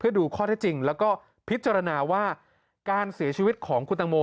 ดูข้อเท็จจริงแล้วก็พิจารณาว่าการเสียชีวิตของคุณตังโม